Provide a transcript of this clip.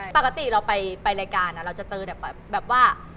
ปกติเราไปรายการเราจะเจอแบบแบบว่า